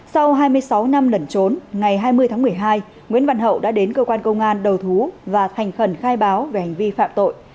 sau hai mươi sáu năm lẩn trốn ngày hai mươi tháng một mươi hai nguyễn văn hậu đã đến cơ quan công an đầu thú và thành khẩn khai báo về hành vi phạm tội